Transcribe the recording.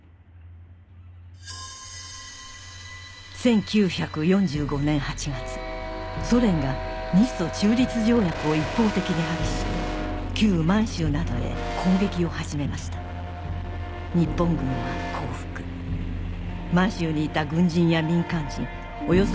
１９４５年８月ソ連が日ソ中立条約を一方的に破棄し満州などへ攻撃を始めました日本軍は降伏鉄道の敷設や建築丸太運び